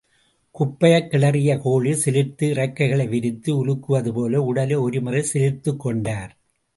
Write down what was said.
குப்பையைக் கிளறிய கோழி, சிலிர்த்து இறக்கைகளை விரித்து உலுக்குவதுபோல, உடலை ஒருமுறை சிலிர்த்துக் கொண்டார்.